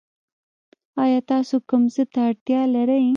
ایا تاسو کوم څه ته اړتیا لرئ؟